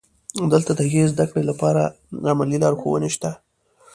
دلته د ښې زده کړې لپاره عملي لارښوونې شته.